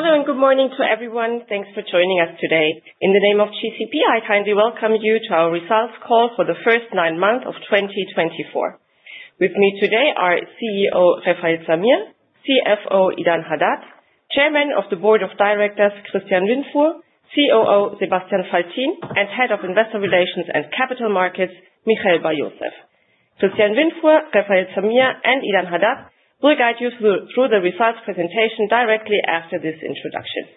Thanks. Hello and good morning to everyone. Thanks for joining us today. In the name of GCP, I kindly welcome you to our results call for the first nine months of 2024. With me today are CEO Refael Zamir, CFO Idan Hadad, Chairman of the Board of Directors, Christian Windfuhr, COO Sebastian Faltin, and Head of Investor Relations and Capital Markets, Michael Bar-Yosef. Christian Windfuhr, Refael Zamir and Idan Hadad will guide you through the results presentation directly after this introduction.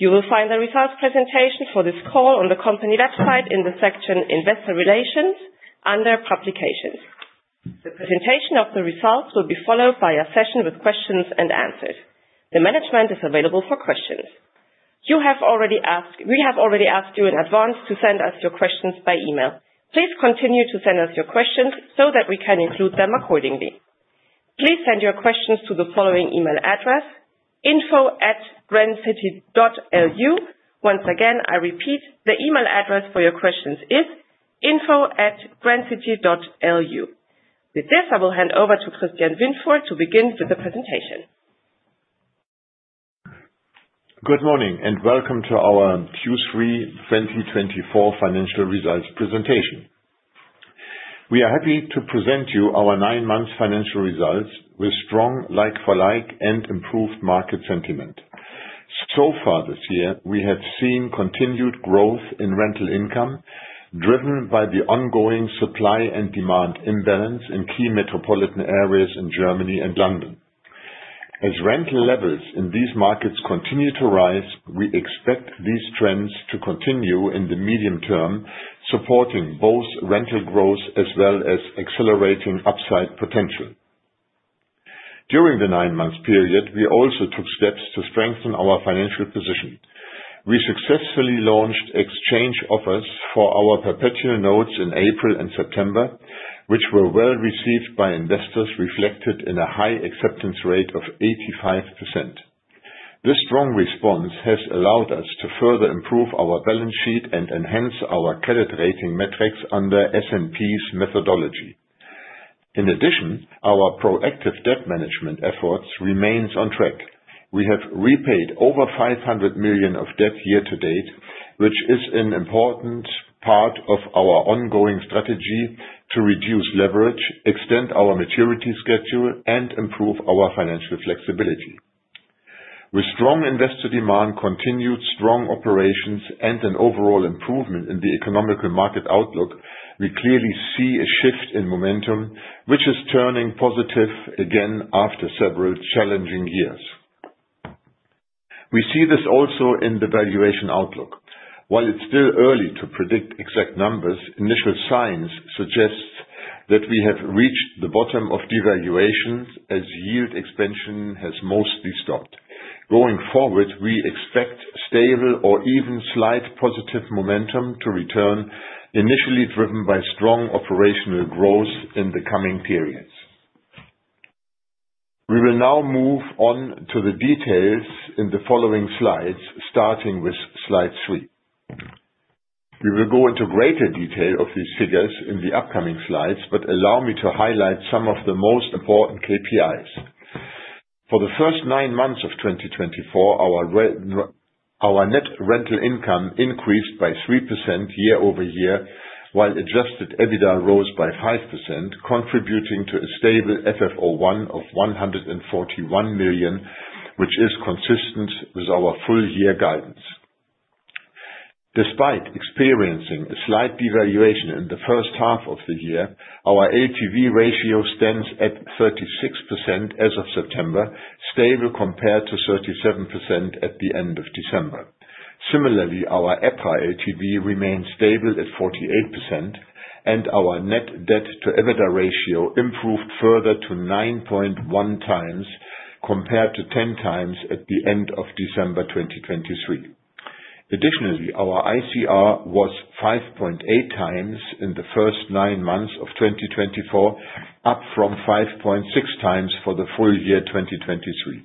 You will find the results presentation for this call on the company website in the section Investor Relations, under Publications. The presentation of the results will be followed by a session with questions and answers. The management is available for questions. We have already asked you in advance to send us your questions by email. Please continue to send us your questions so that we can include them accordingly. Please send your questions to the following email address, info@grandcity.lu. Once again, I repeat, the email address for your questions is info@grandcity.lu. I will hand over to Christian Windfuhr to begin with the presentation. Good morning. Welcome to our Q3 2024 financial results presentation. We are happy to present you our nine months financial results with strong like-for-like and improved market sentiment. Far this year, we have seen continued growth in rental income, driven by the ongoing supply and demand imbalance in key metropolitan areas in Germany and London. As rental levels in these markets continue to rise, we expect these trends to continue in the medium term, supporting both rental growth as well as accelerating upside potential. During the nine months period, we also took steps to strengthen our financial position. We successfully launched exchange offers for our perpetual notes in April and September, which were well received by investors, reflected in a high acceptance rate of 85%. This strong response has allowed us to further improve our balance sheet and enhance our credit rating metrics under S&P's methodology. In addition, our proactive debt management efforts remains on track. We have repaid over 500 million of debt year-to-date, which is an important part of our ongoing strategy to reduce leverage, extend our maturity schedule, and improve our financial flexibility. Strong investor demand, continued strong operations, and an overall improvement in the economical market outlook, we clearly see a shift in momentum, which is turning positive again after several challenging years. We see this also in the valuation outlook. While it's still early to predict exact numbers, initial signs suggest that we have reached the bottom of the valuations as yield expansion has mostly stopped. Going forward, we expect stable or even slight positive momentum to return, initially driven by strong operational growth in the coming periods. We will now move on to the details in the following slides, starting with slide three. We will go into greater detail of these figures in the upcoming slides, allow me to highlight some of the most important KPIs. For the first nine months of 2024, our net rental income increased by 3% year-over-year, while adjusted EBITDA rose by 5%, contributing to a stable FFO I of 141 million, which is consistent with our full year guidance. Despite experiencing a slight devaluation in the H1 of the year, our LTV ratio stands at 36% as of September, stable compared to 37% at the end of December. Similarly, our EPRA LTV remains stable at 48%, and our net debt to EBITDA ratio improved further to 9.1x, compared to 10x at the end of December 2023. Our ICR was 5.8x in the first nine months of 2024, up from 5.6x for the full year 2023.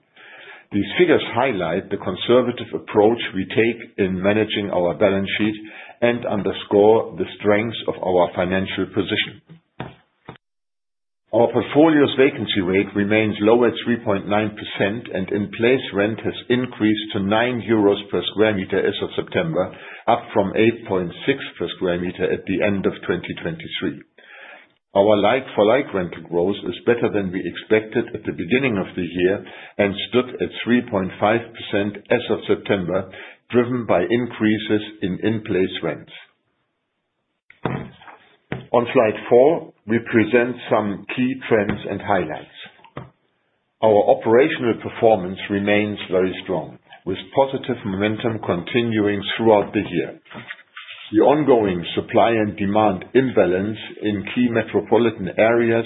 These figures highlight the conservative approach we take in managing our balance sheet and underscore the strengths of our financial position. Our portfolio's vacancy rate remains low at 3.9%, and in place rent has increased to 9 euros per square meter as of September, up from 8.6 per square meter at the end of 2023. Our like-for-like rental growth was better than we expected at the beginning of the year and stood at 3.5% as of September, driven by increases in in place rents. On slide four, we present some key trends and highlights. Our operational performance remains very strong with positive momentum continuing throughout the year. The ongoing supply and demand imbalance in key metropolitan areas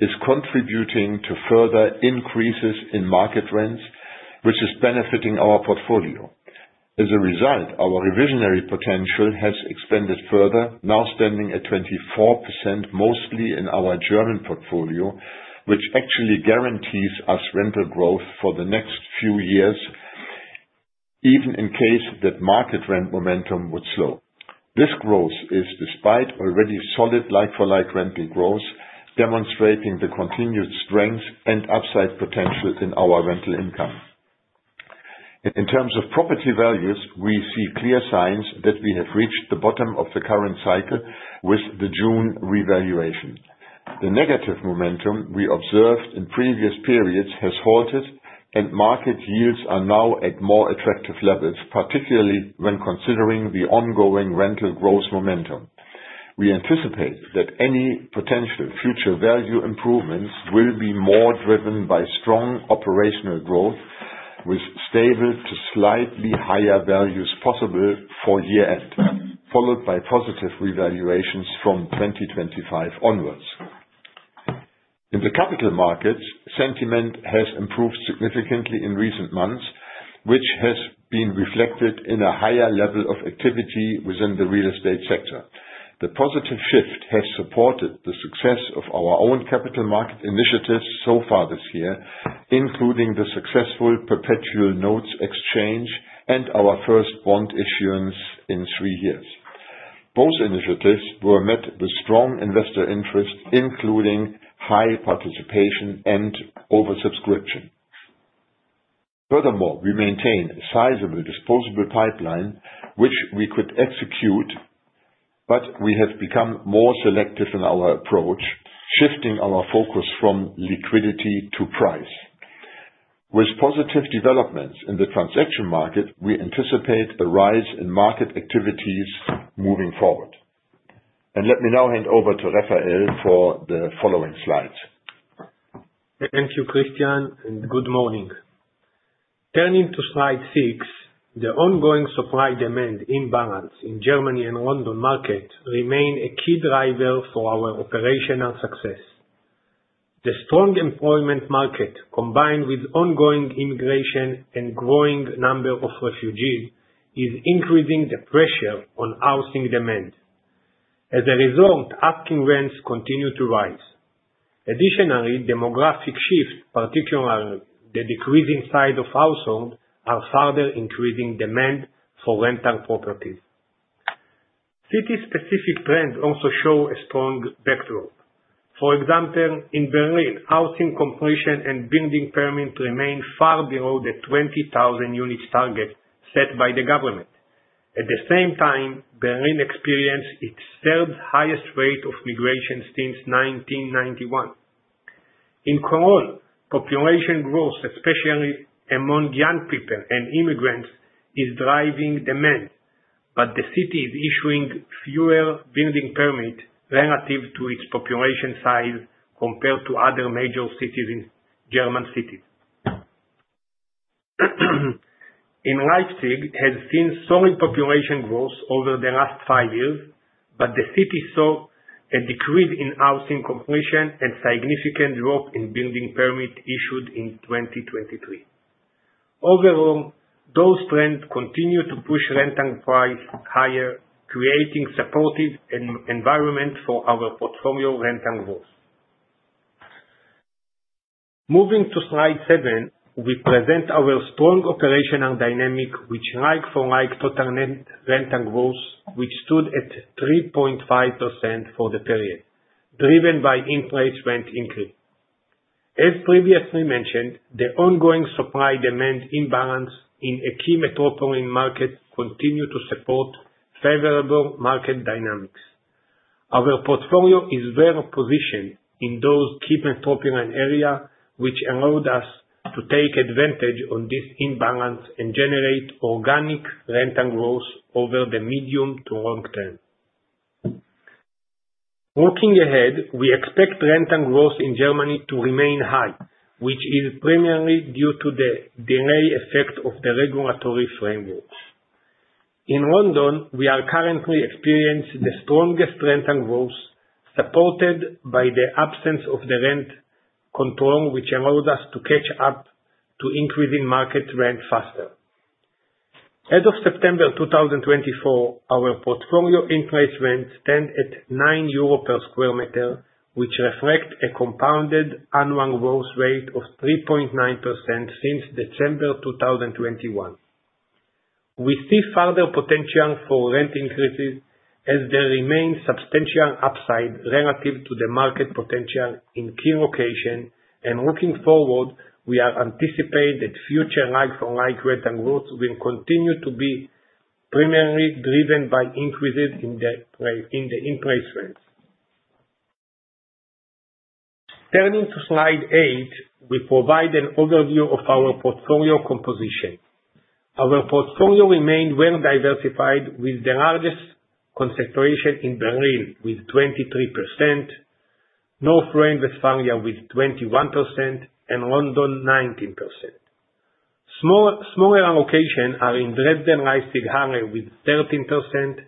is contributing to further increases in market rents, which is benefiting our portfolio. Our revisionary potential has expanded further, now standing at 24%, mostly in our German portfolio, which actually guarantees us rental growth for the next few years even in case that market rent momentum would slow. This growth is despite already solid like-for-like rental growth, demonstrating the continued strength and upside potential within our rental income. In terms of property values, we see clear signs that we have reached the bottom of the current cycle with the June revaluation. The negative momentum we observed in previous periods has halted and market yields are now at more attractive levels, particularly when considering the ongoing rental growth momentum. We anticipate that any potential future value improvements will be more driven by strong operational growth with stable to slightly higher values possible for year-end, followed by positive revaluations from 2025 onwards. In the capital markets, sentiment has improved significantly in recent months, which has been reflected in a higher level of activity within the real estate sector. The positive shift has supported the success of our own capital market initiatives so far this year, including the successful perpetual notes exchange and our first bond issuance in three years. Both initiatives were met with strong investor interest, including high participation and over-subscription. We maintain a sizable disposable pipeline which we could execute, we have become more selective in our approach, shifting our focus from liquidity to price. With positive developments in the transaction market, we anticipate a rise in market activities moving forward. Let me now hand over to Refael for the following slides. Thank you, Christian, and good morning. Turning to slide six, the ongoing supply-demand imbalance in Germany and London market remain a key driver for our operational success. The strong employment market, combined with ongoing immigration and growing number of refugees, is increasing the pressure on housing demand. As a result, asking rents continue to rise. Additionally, demographic shifts, particularly the decreasing size of household, are further increasing demand for rental properties. City specific trends also show a strong backdrop. For example, in Berlin, housing completion and building permits remain far below the 20,000 units target set by the government. At the same time, Berlin experienced its third highest rate of migration since 1991. In Cologne, population growth, especially among young people and immigrants, is driving demand. The city is issuing fewer building permits relative to its population size compared to other major cities in German cities. In Leipzig, has seen soaring population growth over the last five years, the city saw a decrease in housing completion and significant drop in building permit issued in 2023. Overall, those trends continue to push rental price higher, creating supportive environment for our portfolio rental growth. Moving to slide seven, we present our strong operational dynamic with like-for-like total net rental growth, which stood at 3.5% for the period, driven by in-place rent increase. As previously mentioned, the ongoing supply-demand imbalance in a key metropolitan market continue to support favorable market dynamics. Our portfolio is well positioned in those key metropolitan area, which allowed us to take advantage on this imbalance and generate organic rental growth over the medium to long term. Looking ahead, we expect rental growth in Germany to remain high, which is primarily due to the delay effect of the regulatory frameworks. In London, we are currently experiencing the strongest rental growth, supported by the absence of the rent control, which allows us to catch up to increasing market rent faster. As of September 2024, our portfolio in place rents stand at 9 euro per square meter, which reflect a compounded annual growth rate of 3.9% since December 2021. We see further potential for rent increases as there remains substantial upside relative to the market potential in key locations. Looking forward, we are anticipating that future like-for-like rental growth will continue to be primarily driven by increases in the in-place rents. Turning to slide eight, we provide an overview of our portfolio composition. Our portfolio remained well diversified, with the largest concentration in Berlin with 23%, North Rhine-Westphalia with 21%, and London 19%. Smaller allocation are in Dresden, Leipzig, Halle with 13%,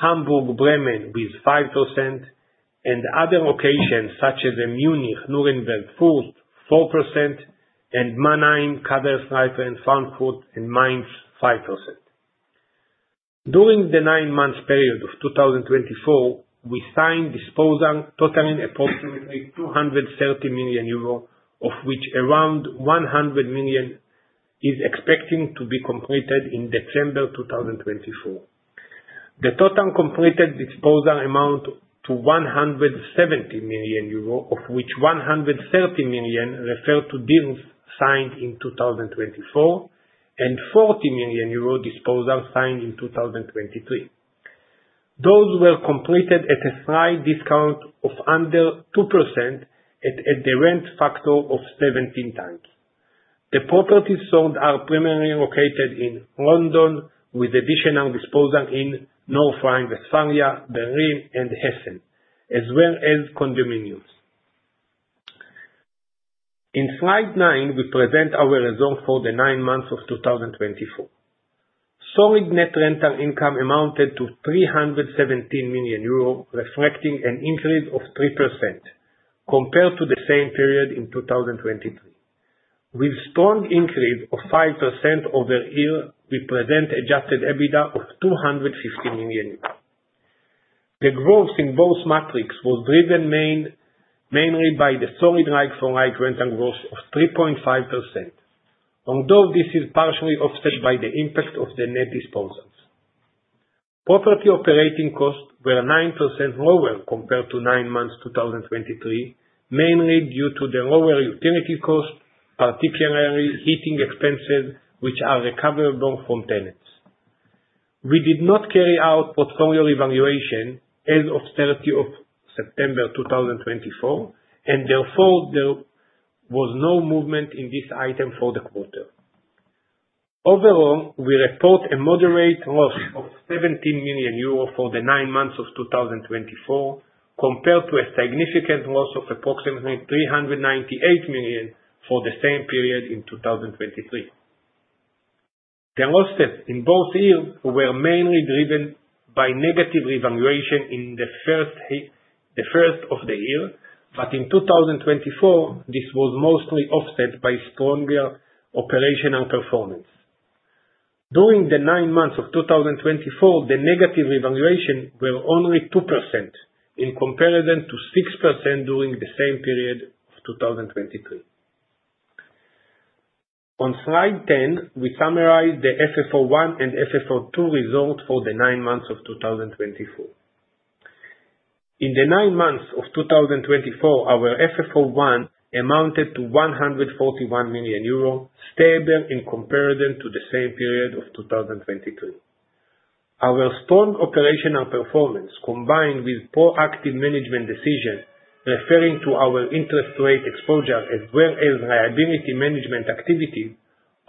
Hamburg, Bremen with 5%, and other locations such as in Munich, Nuremberg, Fürth, 4%, and Mannheim, Karlsruhe, Frankfurt, and Mainz, 5%. During the nine months period of 2024, we signed disposal totaling approximately 230 million euro, of which around 100 million is expecting to be completed in December 2024. The total completed disposal amount to 170 million euro, of which 130 million refer to deals signed in 2024 and 40 million euro disposal signed in 2023. Those were completed at a slight discount of under 2% at the rent factor of 17 times. The properties sold are primarily located in London with additional disposal in North Rhine-Westphalia, Berlin, and Hessen, as well as condominiums. In slide nine, we present our result for the nine months of 2024. Solid net rental income amounted to 317 million euro, reflecting an increase of 3% compared to the same period in 2023. With strong increase of 5% over here, we present adjusted EBITDA of 250 million. The growth in both metrics was driven mainly by the solid like-for-like rental growth of 3.5%, although this is partially offset by the impact of the net disposals. Property operating costs were 9% lower compared to nine months 2023, mainly due to the lower utility cost, particularly heating expenses, which are recoverable from tenants. We did not carry out portfolio evaluation as of September 30th, 2024, and therefore, there was no movement in this item for the quarter. Overall, we report a moderate loss of 70 million euro for the nine months of 2024, compared to a significant loss of approximately 398 million for the same period in 2023. The losses in both years were mainly driven by negative revaluation in the first of the year. In 2024, this was mostly offset by stronger operational performance. During the nine months of 2024, the negative revaluation were only 2% in comparison to 6% during the same period of 2023. On slide 10, we summarize the FFO I and FFO II result for the nine months of 2024. In the nine months of 2024, our FFO I amounted to 141 million euro, stable in comparison to the same period of 2023. Our strong operational performance, combined with proactive management decision referring to our interest rate exposure as well as liability management activity,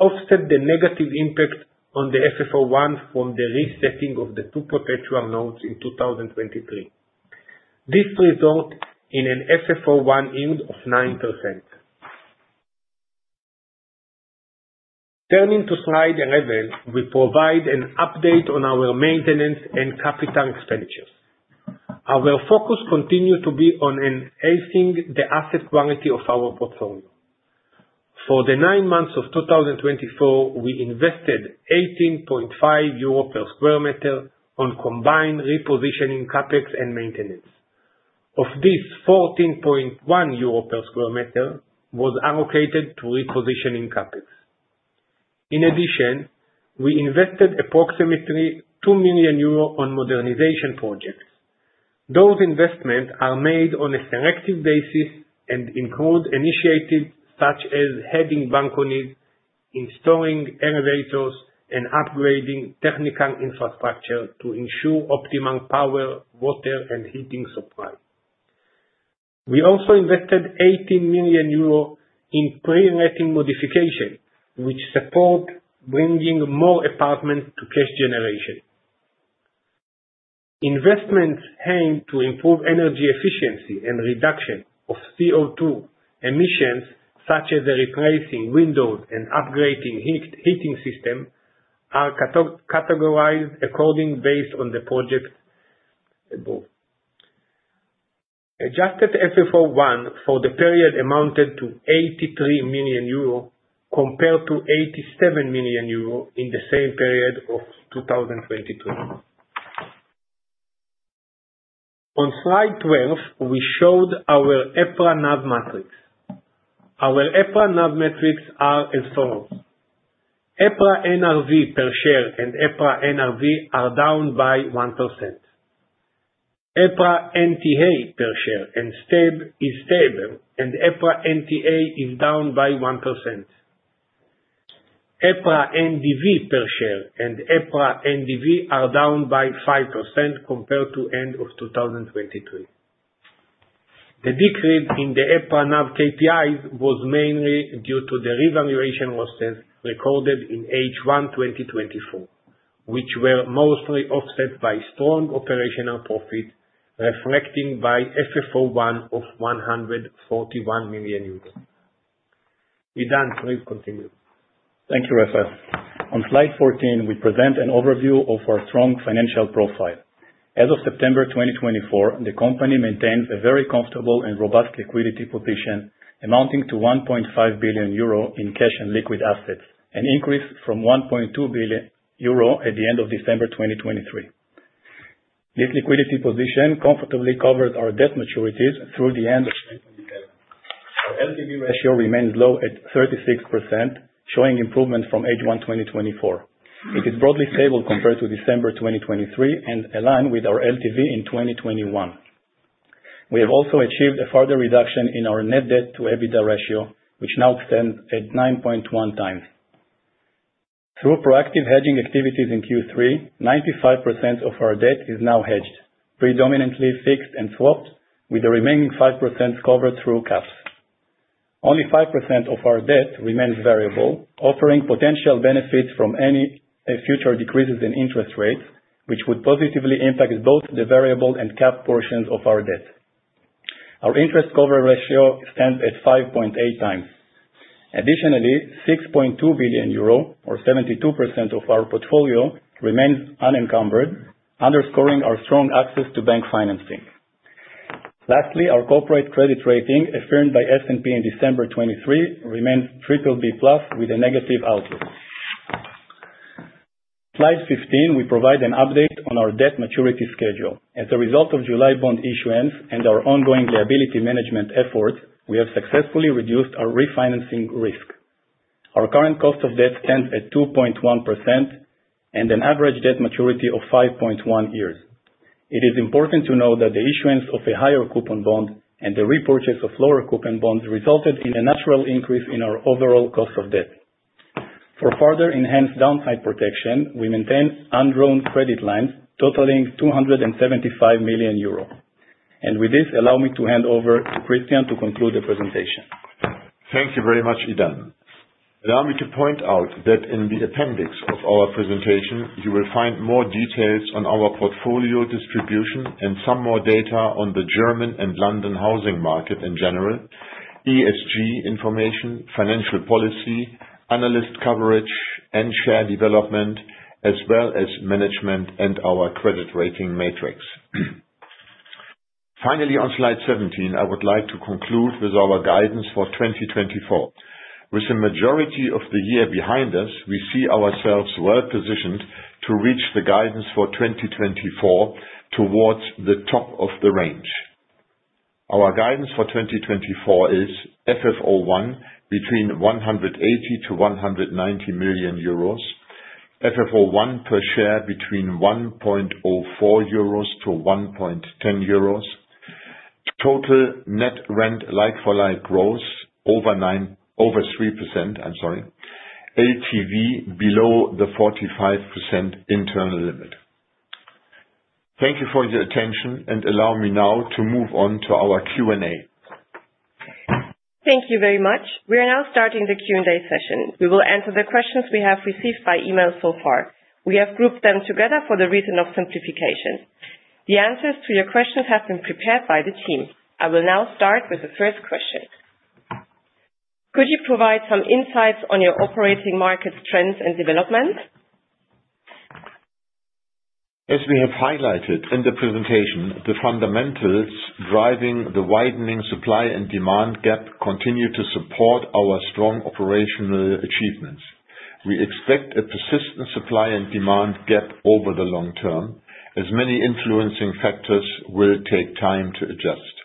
offset the negative impact on the FFO I from the resetting of the two perpetual notes in 2023. This result in an FFO I yield of 9%. Turning to slide 11, we provide an update on our maintenance and capital expenditures. Our focus continue to be on enhancing the asset quality of our portfolio. For the nine months of 2024, we invested 18.5 euro per square meter on combined repositioning CapEx and maintenance. Of this, 14.1 euro per square meter was allocated to repositioning CapEx. In addition, we invested approximately 2 million euro on modernization projects. Those investments are made on a selective basis and include initiatives such as adding balconies, installing elevators, and upgrading technical infrastructure to ensure optimal power, water, and heating supply. We also invested 80 million euro in pre-letting modification, which support bringing more apartments to cash generation. Investments aim to improve energy efficiency and reduction of CO2 emissions, such as replacing windows and upgrading heating system, are categorized according based on the project above. Adjusted FFO I for the period amounted to 83 million euro compared to 87 million euro in the same period of 2022. On slide 12, we showed our EPRA NAV metrics. Our EPRA NAV metrics are as follows: EPRA NRV per share and EPRA NRV are down by 1%. EPRA NTA per share and EPRA NTA is stable, and EPRA NTA is down by 1%. EPRA NDV per share and EPRA NDV are down by 5% compared to end of 2023. The decrease in the EPRA NAV KPIs was mainly due to the revaluation losses recorded in H1 2024, which were mostly offset by strong operational profit, reflecting by FFO I of 141 million. Idan, please continue. Thank you, Refael. On slide 14, we present an overview of our strong financial profile. As of September 2024, the company maintains a very comfortable and robust liquidity position amounting to 1.5 billion euro in cash and liquid assets, an increase from 1.2 billion euro at the end of December 2023. This liquidity position comfortably covers our debt maturities through the end of 2027. Our LTV ratio remains low at 36%, showing improvement from H1 2024. It is broadly stable compared to December 2023 and aligned with our LTV in 2021. We have also achieved a further reduction in our net debt to EBITDA ratio, which now stands at 9.1x. Through proactive hedging activities in Q3, 95% of our debt is now hedged, predominantly fixed and swapped, with the remaining 5% covered through caps. Only 5% of our debt remains variable, offering potential benefits from any future decreases in interest rates, which would positively impact both the variable and cap portions of our debt. Our interest cover ratio stands at 5.8x. Additionally, 6.2 billion euro or 72% of our portfolio remains unencumbered, underscoring our strong access to bank financing. Lastly, our corporate credit rating, affirmed by S&P in December 2023, remains BBB+ with a negative outlook. Slide 15, we provide an update on our debt maturity schedule. As a result of July bond issuance and our ongoing liability management efforts, we have successfully reduced our refinancing risk. Our current cost of debt stands at 2.1% and an average debt maturity of 5.1 years. It is important to know that the issuance of a higher coupon bond and the repurchase of lower coupon bonds resulted in a natural increase in our overall cost of debt. For further enhanced downside protection, we maintain undrawn credit lines totaling 275 million euro. With this, allow me to hand over to Christian to conclude the presentation. Thank you very much, Idan. Allow me to point out that in the appendix of our presentation, you will find more details on our portfolio distribution and some more data on the German and London housing market in general, ESG information, financial policy, analyst coverage, and share development, as well as management and our credit rating matrix. Finally, on slide 17, I would like to conclude with our guidance for 2024. With the majority of the year behind us, we see ourselves well positioned to reach the guidance for 2024 towards the top of the range. Our guidance for 2024 is FFO I between 180 million-190 million euros, FFO I per share between 1.04-1.10 euros, total net rent like-for-like growth over 3%, I'm sorry. LTV below the 45% internal limit. Thank you for your attention, and allow me now to move on to our Q&A. Thank you very much. We are now starting the Q&A session. We will answer the questions we have received by email so far. We have grouped them together for the reason of simplification. The answers to your questions have been prepared by the team. I will now start with the first question. Could you provide some insights on your operating markets, trends, and development? As we have highlighted in the presentation, the fundamentals driving the widening supply and demand gap continue to support our strong operational achievements. We expect a persistent supply and demand gap over the long term, as many influencing factors will take time to adjust.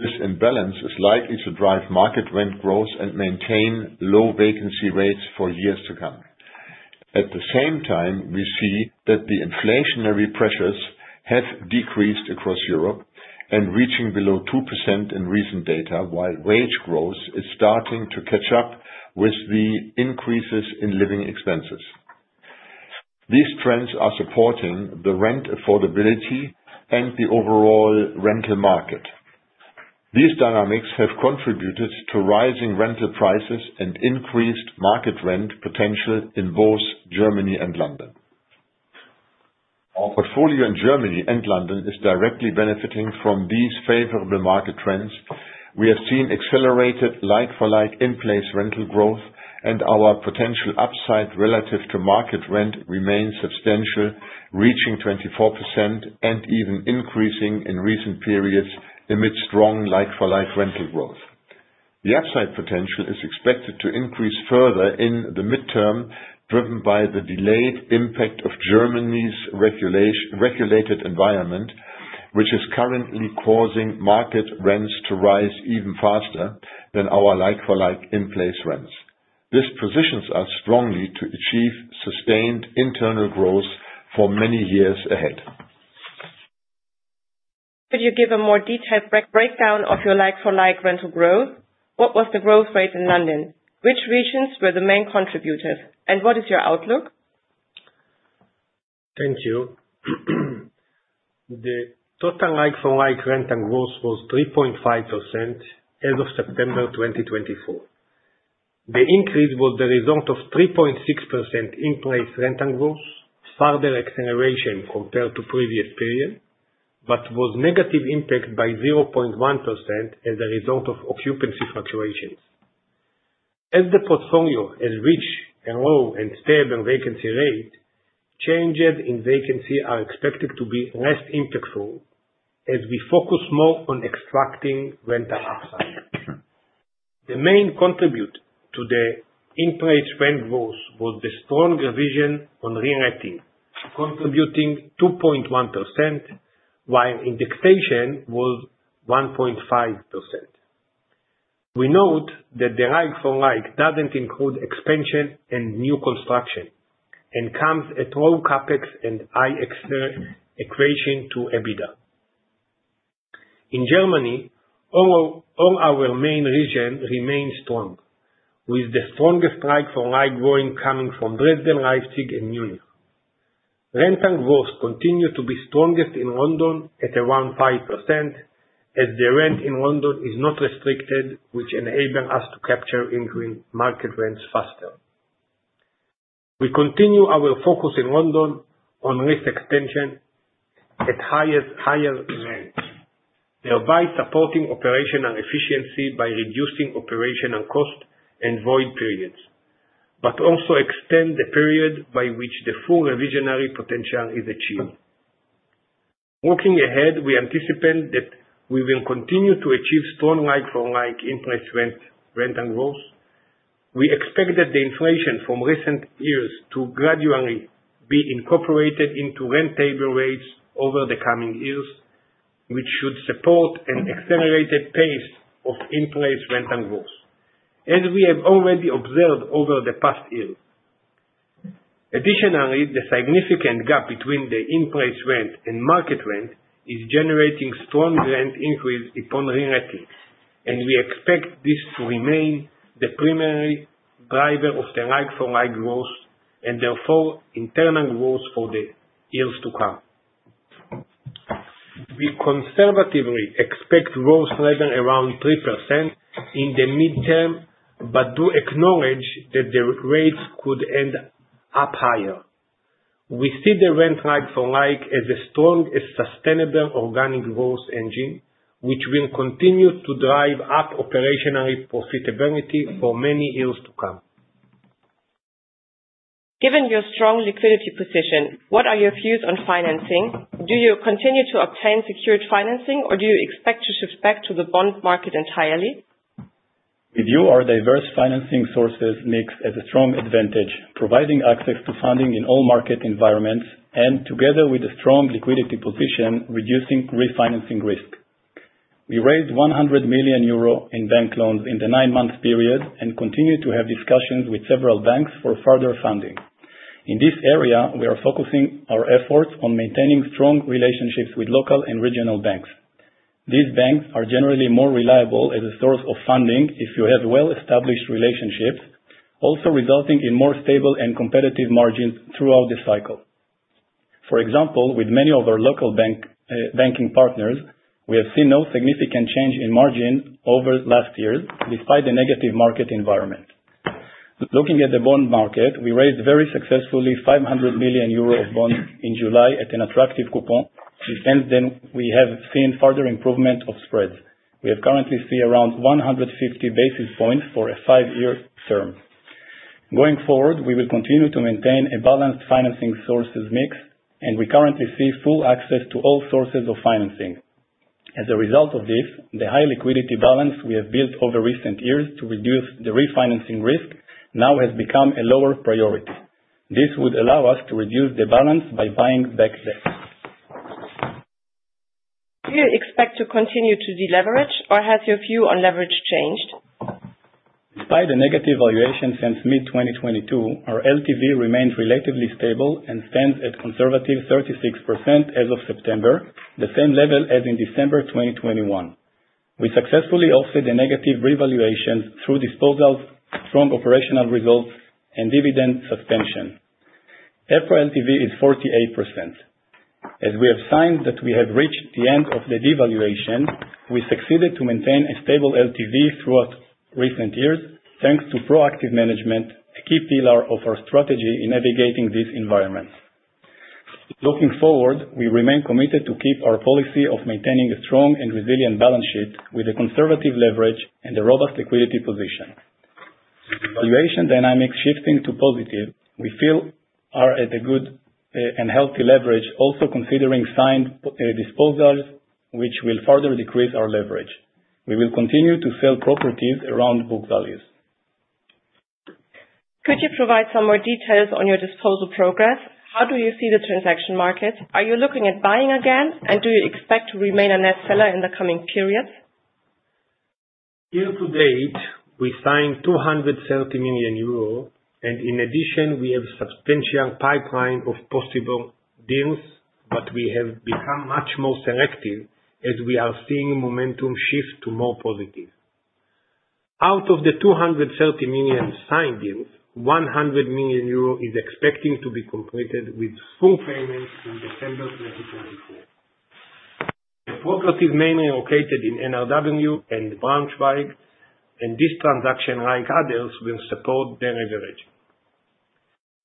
This imbalance is likely to drive market rent growth and maintain low vacancy rates for years to come. At the same time, we see that the inflationary pressures have decreased across Europe and reaching below 2% in recent data, while wage growth is starting to catch up with the increases in living expenses. These trends are supporting the rent affordability and the overall rental market. These dynamics have contributed to rising rental prices and increased market rent potential in both Germany and London. Our portfolio in Germany and London is directly benefiting from these favorable market trends. We have seen accelerated like-for-like in-place rental growth, and our potential upside relative to market rent remains substantial, reaching 24% and even increasing in recent periods amid strong like-for-like rental growth. The upside potential is expected to increase further in the midterm, driven by the delayed impact of Germany's regulated environment, which is currently causing market rents to rise even faster than our like-for-like in-place rents. This positions us strongly to achieve sustained internal growth for many years ahead. Could you give a more detailed breakdown of your like-for-like rental growth? What was the growth rate in London? Which regions were the main contributors, and what is your outlook? Thank you. The total like-for-like rental growth was 3.5% as of September 2024. The increase was the result of 3.6% in-place rental growth, further acceleration compared to previous period, but was negative impact by 0.1% as a result of occupancy fluctuations. As the portfolio has reached a low and stable vacancy rate, changes in vacancy are expected to be less impactful as we focus more on extracting rental upside. The main contribute to the in-place rent growth was the strong revision on re-letting, contributing 2.1%, while indexation was 1.5%. We note that the like-for-like doesn't include expansion and new construction, and comes at low CapEx and high equation to EBITDA. In Germany, all our main region remain strong, with the strongest like-for-like growing coming from Dresden, Leipzig, and Munich. Rental growth continue to be strongest in London at around 5%, as the rent in London is not restricted, which enable us to capture increase market rents faster. We continue our focus in London on lease extension at higher rent, thereby supporting operational efficiency by reducing operational cost and void periods, but also extend the period by which the full revisionary potential is achieved. Looking ahead, we anticipate that we will continue to achieve strong like-for-like in-place rent and growth. We expect that the inflation from recent years to gradually be incorporated into rent table rates over the coming years, which should support an accelerated pace of in-place rent and growth, as we have already observed over the past years. Additionally, the significant gap between the in-place rent and market rent is generating strong rent increase upon re-lettings, and we expect this to remain the primary driver of the like-for-like growth, and therefore internal growth for the years to come. We conservatively expect growth level around 3% in the midterm, but do acknowledge that the rates could end up higher. We see the rent like-for-like as a strong, sustainable organic growth engine, which will continue to drive up operational profitability for many years to come. Given your strong liquidity position, what are your views on financing? Do you continue to obtain secured financing or do you expect to shift back to the bond market entirely? We view our diverse financing sources mix as a strong advantage, providing access to funding in all market environments, and together with a strong liquidity position, reducing refinancing risk. We raised 100 million euro in bank loans in the nine-month period. Continue to have discussions with several banks for further funding. In this area, we are focusing our efforts on maintaining strong relationships with local and regional banks. These banks are generally more reliable as a source of funding if you have well-established relationships, also resulting in more stable and competitive margins throughout the cycle. For example, with many of our local banking partners, we have seen no significant change in margin over last year, despite the negative market environment. Looking at the bond market, we raised very successfully 500 million euro of bonds in July at an attractive coupon. Since then, we have seen further improvement of spreads. We currently see around 150 basis points for a five-year term. Going forward, we will continue to maintain a balanced financing sources mix. We currently see full access to all sources of financing. As a result of this, the high liquidity balance we have built over recent years to reduce the refinancing risk now has become a lower priority. This would allow us to reduce the balance by buying back debt. Do you expect to continue to deleverage or has your view on leverage changed? Despite the negative valuation since mid-2022, our LTV remains relatively stable and stands at conservative 36% as of September, the same level as in December 2021. We successfully offset the negative revaluations through disposals, strong operational results, and dividend suspension. EPRA LTV is 48%. As we have signed that we have reached the end of the devaluation, we succeeded to maintain a stable LTV throughout recent years, thanks to proactive management, a key pillar of our strategy in navigating this environment. Looking forward, we remain committed to keep our policy of maintaining a strong and resilient balance sheet with a conservative leverage and a robust liquidity position. With the valuation dynamic shifting to positive, we feel we are at a good and healthy leverage also considering signed disposals, which will further decrease our leverage. We will continue to sell properties around book values. Could you provide some more details on your disposal progress? How do you see the transaction market? Are you looking at buying again, and do you expect to remain a net seller in the coming periods? Year-to-date, we signed 230 million euro. In addition, we have substantial pipeline of possible deals, we have become much more selective as we are seeing momentum shift to more positive. Out of the 230 million signed deals, 100 million euro is expecting to be completed with full payment in December 2024. The property is mainly located in NRW and Braunschweig. This transaction, like others, will support de-leveraging.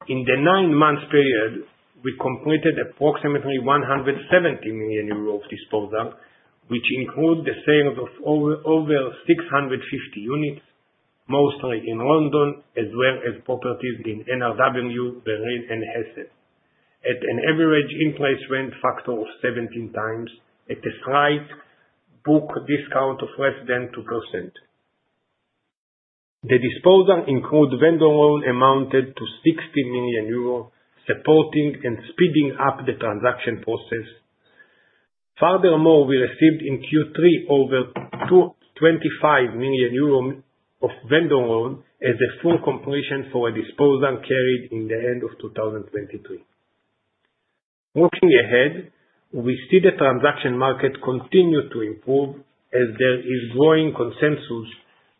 In the nine-month period, we completed approximately 170 million euro of disposal, which include the sales of over 650 units, mostly in London, as well as properties in NRW, Berlin, and Hessen. At an average in-place rent factor of 17 times at a slight book discount of less than 2%. The disposal includes vendor loan amounted to 60 million euros, supporting and speeding up the transaction process. Furthermore, we received in Q3 over 225 million euros of vendor loan as a full completion for a disposal carried in the end of 2023. Looking ahead, we see the transaction market continue to improve as there is growing consensus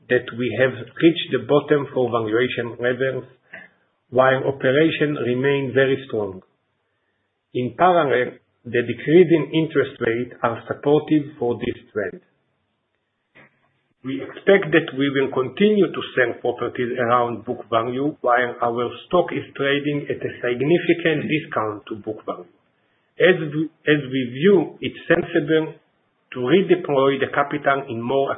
that we have reached the bottom for valuation levels, while operations remain very strong. In parallel, the decrease in interest rate are supportive for this trend. We expect that we will continue to sell properties around book value while our stock is trading at a significant discount to book value. We view it's sensible to redeploy the capital in more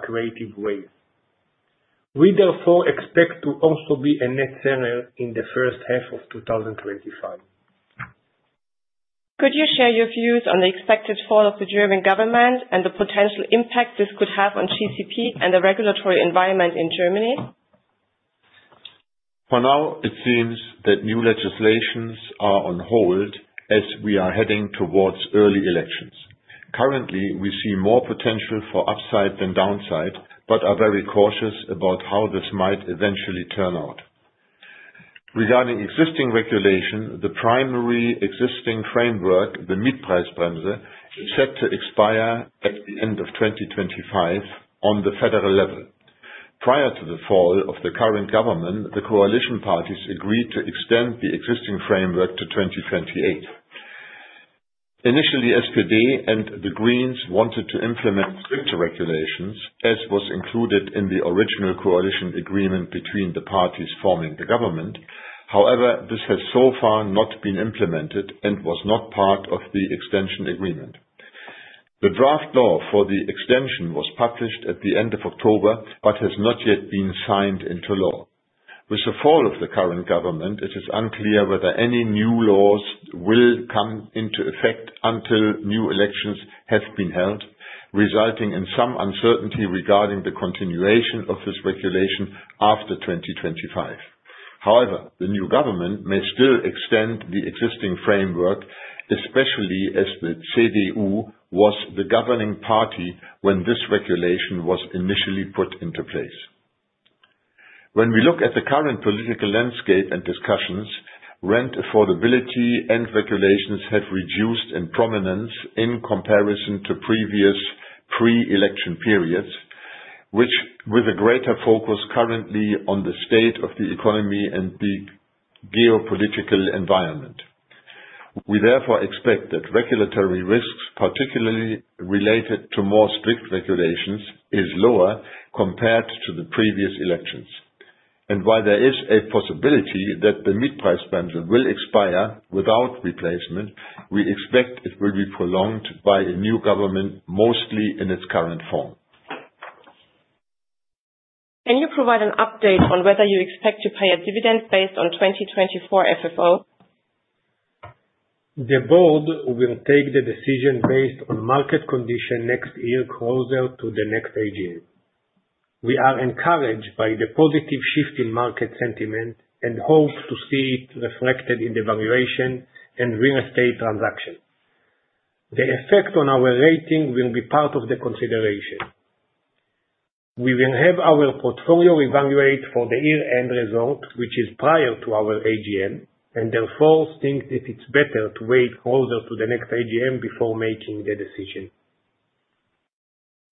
accretive ways. We therefore expect to also be a net seller in the H1 of 2025. Could you share your views on the expected fall of the German government and the potential impact this could have on GCP and the regulatory environment in Germany? For now, it seems that new legislations are on hold as we are heading towards early elections. Currently, we see more potential for upside than downside, but are very cautious about how this might eventually turn out. Regarding existing regulation, the primary existing framework, the Mietpreisbremse, is set to expire at the end of 2025 on the federal level. Prior to the fall of the current government, the coalition parties agreed to extend the existing framework to 2028. Initially, SPD and The Greens wanted to implement stricter regulations, as was included in the original coalition agreement between the parties forming the government. This has so far not been implemented and was not part of the extension agreement. The draft law for the extension was published at the end of October, but has not yet been signed into law. With the fall of the current government, it is unclear whether any new laws will come into effect until new elections have been held, resulting in some uncertainty regarding the continuation of this regulation after 2025. The new government may still extend the existing framework, especially as the CDU was the governing party when this regulation was initially put into place. When we look at the current political landscape and discussions, rent affordability and regulations have reduced in prominence in comparison to previous pre-election periods, which with a greater focus currently on the state of the economy and the geopolitical environment. We therefore expect that regulatory risks, particularly related to more strict regulations, is lower compared to the previous elections. While there is a possibility that the Mietpreisbremse will expire without replacement, we expect it will be prolonged by a new government, mostly in its current form. Can you provide an update on whether you expect to pay a dividend based on 2024 FFO? The board will take the decision based on market condition next year, closer to the next AGM. We are encouraged by the positive shift in market sentiment and hope to see it reflected in the valuation and real estate transaction. The effect on our rating will be part of the consideration. We will have our portfolio evaluate for the year-end result, which is prior to our AGM, and therefore think that it's better to wait closer to the next AGM before making the decision.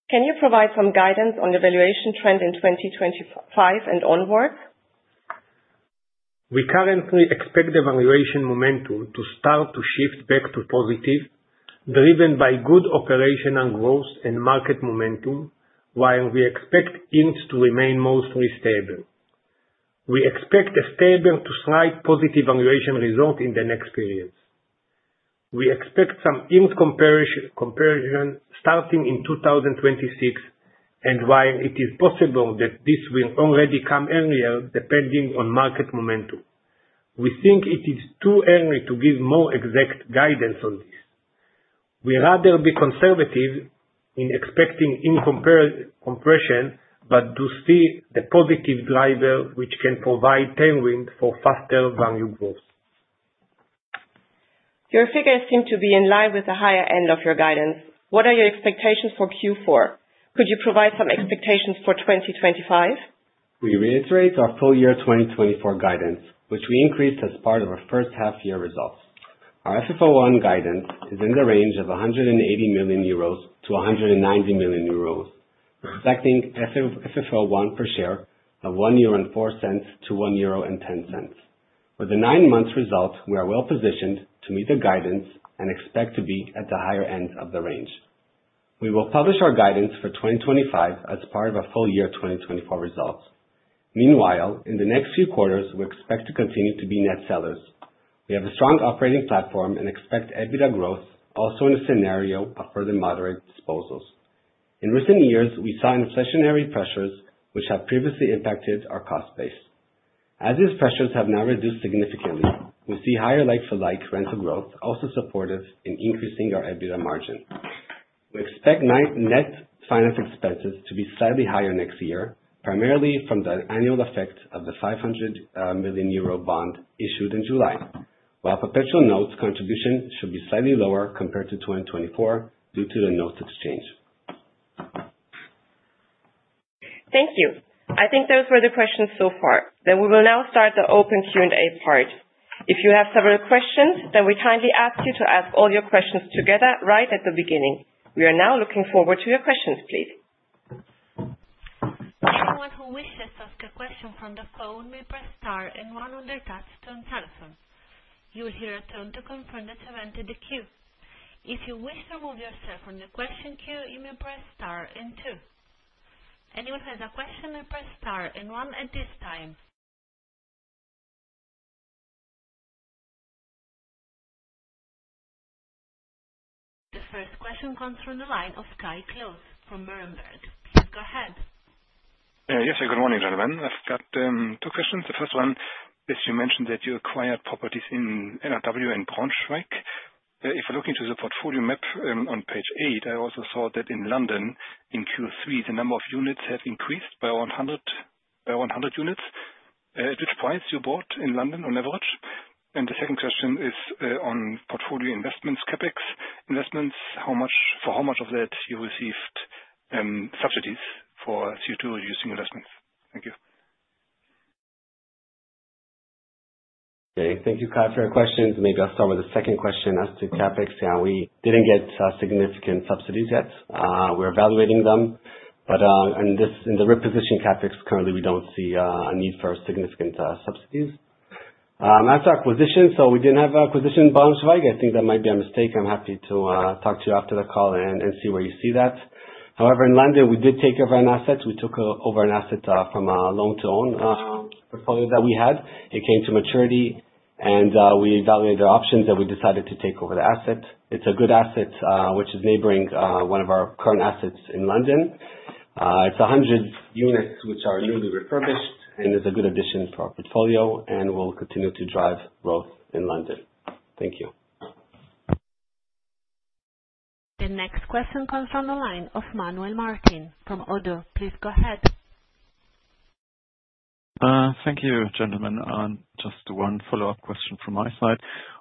Can you provide some guidance on the valuation trend in 2025 and onwards? We currently expect the valuation momentum to start to shift back to positive, driven by good operational growth and market momentum. While we expect yields to remain mostly stable, we expect a stable to slight positive valuation result in the next periods. We expect some yields comparison starting in 2026, and while it is possible that this will already come earlier, depending on market momentum. We think it is too early to give more exact guidance on this. We'd rather be conservative in expecting yield compression, but to see the positive driver, which can provide tailwind for faster value growth. Your figures seem to be in line with the higher end of your guidance. What are your expectations for Q4? Could you provide some expectations for 2025? We reiterate our full year 2024 guidance, which we increased as part of our first half year results. Our FFO I guidance is in the range of 180 million-190 million euros, reflecting FFO I per share of 1.04-1.10 euro. With the nine-month result, we are well positioned to meet the guidance and expect to be at the higher end of the range. We will publish our guidance for 2025 as part of our full year 2024 results. Meanwhile, in the next few quarters, we expect to continue to be net sellers. We have a strong operating platform and expect EBITDA growth also in a scenario of further moderate disposals. In recent years, we saw inflationary pressures, which have previously impacted our cost base. As these pressures have now reduced significantly, we see higher like-for-like rental growth also supportive in increasing our EBITDA margin. We expect net finance expenses to be slightly higher next year, primarily from the annual effect of the 500 million euro bond issued in July. While perpetual notes contribution should be slightly lower compared to 2024 due to the notes exchange. Thank you. I think those were the questions so far. We will now start the open Q&A part. If you have several questions, we kindly ask you to ask all your questions together right at the beginning. We are now looking forward to your questions, please. Anyone who wishes to ask a question from the phone may press star and one on their touch-tone telephone. You will hear a tone to confirm that you are entered in the queue. If you wish to remove yourself from the question queue, you may press star and two. Anyone who has a question may press star and one at this time. The first question comes from the line of Kai Klose from Berenberg. Go ahead. Yeah. Good morning, gentlemen. I've got two questions. The first one is, you mentioned that you acquired properties in NRW and Braunschweig. If you're looking through the portfolio map on page eight, I also saw that in London in Q3, the number of units have increased by 100 units. At which price you bought in London on average? The second question is, on portfolio investments, CapEx investments, for how much of that you received subsidies for CO2 using investments? Thank you. Okay. Thank you, Kai, for your questions. Maybe I'll start with the second question. As to CapEx, yeah, we didn't get significant subsidies yet. We're evaluating them. In the reposition CapEx currently, we don't see a need for significant subsidies. As to acquisition, we didn't have an acquisition in Braunschweig. I think that might be a mistake. I'm happy to talk to you after the call and see where you see that. However, in London, we did take over an asset. We took over an asset from a loan-to-own portfolio that we had. It came to maturity, we evaluated our options, and we decided to take over the asset. It's a good asset, which is neighboring one of our current assets in London. It's 100 units, which are newly refurbished and is a good addition to our portfolio, and will continue to drive growth in London. Thank you. The next question comes from the line of Manuel Martin from ODDO. Please go ahead. Thank you, gentlemen. Just one follow-up question from my side.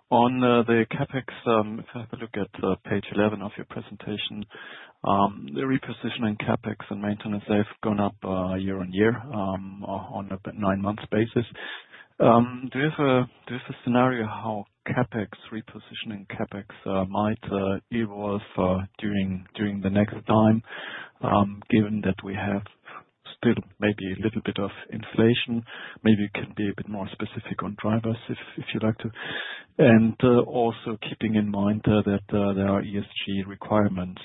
On the CapEx, if I have a look at page 11 of your presentation, the repositioning CapEx and maintenance, they've gone up year-on-year on a nine-month basis. Do you have a scenario how CapEx, repositioning CapEx might evolve during the next time, given that we have still maybe a little bit of inflation? Maybe you can be a bit more specific on drivers if you'd like to. Also keeping in mind that there are ESG requirements.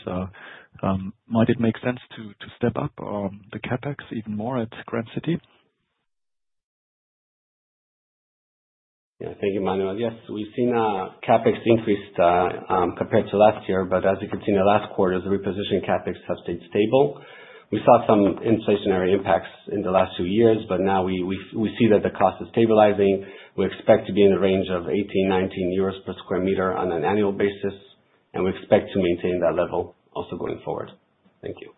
Might it make sense to step up the CapEx even more at Grand City? Thank you, Manuel. Yes, we've seen a CapEx increase compared to last year, but as you can see, in the last quarter, the reposition CapEx has stayed stable. We saw some inflationary impacts in the last two years, but now we see that the cost is stabilizing. We expect to be in the range of 18, 19 euros per square meter on an annual basis, and we expect to maintain that level also going forward. Thank you.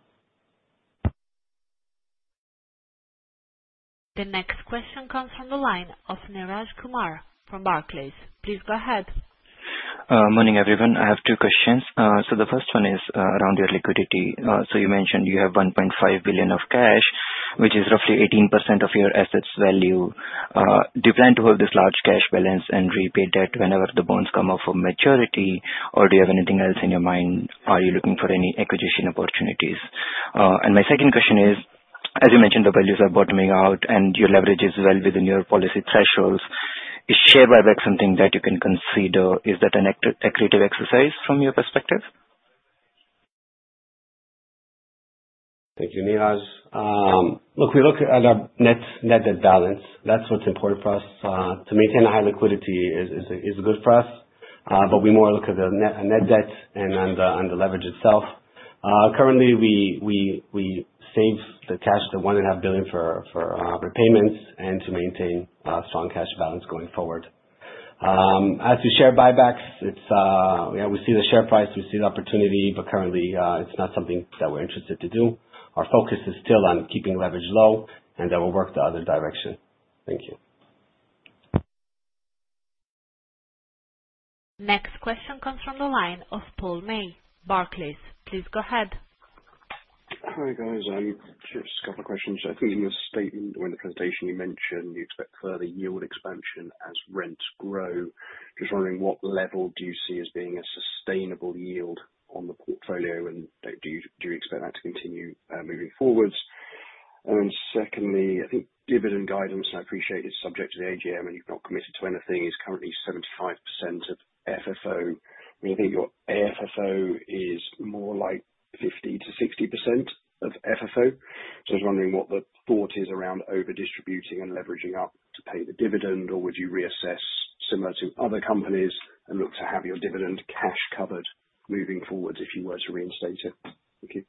The next question comes from the line of Neeraj Kumar from Barclays. Please go ahead. Morning, everyone. I have two questions. The first one is around your liquidity. You mentioned you have 1.5 billion of cash, which is roughly 18% of your assets value. Do you plan to hold this large cash balance and repay debt whenever the bonds come up for maturity? Do you have anything else in your mind? Are you looking for any acquisition opportunities? My second question is, as you mentioned, the values are bottoming out and your leverage is well within your policy thresholds. Is share buyback something that you can consider? Is that an accretive exercise from your perspective? Thank you, Neeraj. Look, we look at our net debt balance. That's what's important for us. To maintain a high liquidity is good for us. We more look at the net debt and the leverage itself. Currently, we save the cash, the 1.5 billion for repayments and to maintain a strong cash balance going forward. As to share buybacks, we see the share price, we see the opportunity, currently it's not something that we're interested to do. Our focus is still on keeping leverage low, we'll work the other direction. Thank you. Next question comes from the line of Paul May, Barclays. Please go ahead. Hi, guys. Just a couple of questions. I think in your statement or in the presentation you mentioned you expect further yield expansion as rents grow. Just wondering what level do you see as being a sustainable yield on the portfolio, and do you expect that to continue moving forwards? Secondly, I think dividend guidance, I appreciate it's subject to the AGM and you've not committed to anything, is currently 75% of FFO. We think your AFFO is more like 50%-60% of FFO. I was wondering what the thought is around over-distributing and leveraging up to pay the dividend, or would you reassess similar to other companies and look to have your dividend cash covered moving forward if you were to reinstate it? Thank you.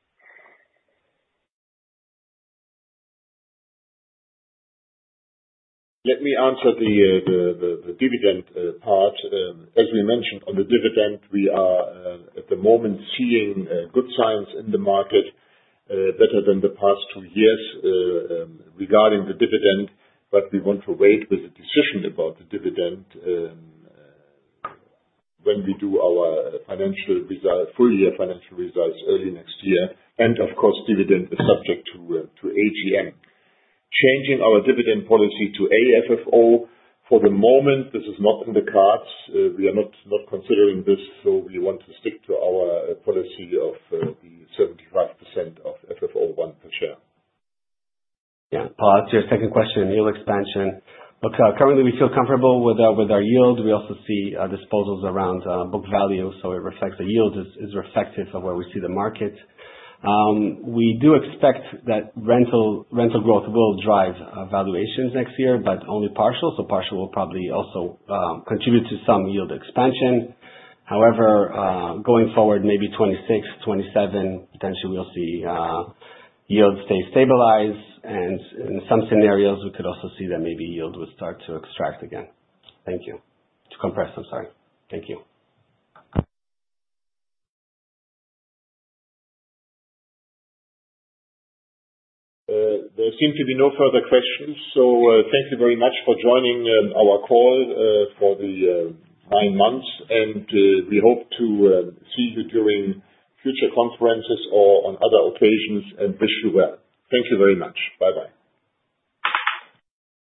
Let me answer the dividend part. As we mentioned on the dividend, we are at the moment seeing good signs in the market, better than the past two years, regarding the dividend. We want to wait with the decision about the dividend when we do our full-year financial results early next year. Of course, dividend is subject to AGM. Changing our dividend policy to AFFO, for the moment, this is not in the cards. We are not considering this, we want to stick to our policy of the 75% of FFO I per share. Paul, to your second question on yield expansion. Look, currently we feel comfortable with our yield. We also see disposals around book value, so it reflects the yield is reflective of where we see the market. We do expect that rental growth will drive valuations next year, but only partial. Partial will probably also contribute to some yield expansion. However, going forward, maybe 2026, 2027, potentially we'll see yields stay stabilized and in some scenarios, we could also see that maybe yield would start to extract again. Thank you. To compress, I'm sorry. Thank you. There seem to be no further questions. Thank you very much for joining our call for the nine months, and we hope to see you during future conferences or on other occasions, and wish you well. Thank you very much. Bye-bye.